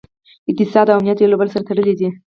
اقتصاد او امنیت یو له بل سره تړلي دي